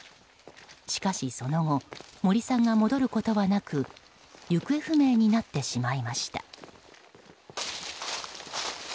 しかし、その後森さんが戻ることはなく行方不明になってしまいました。